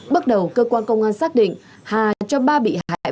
bước đầu cơ quan công an xác định hà cho ba bị hại